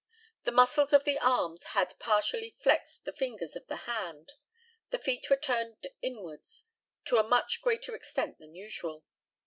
The muscles of the arms had partially flexed the fingers of the hand. The feet were turned inwards to a much greater extent than usual.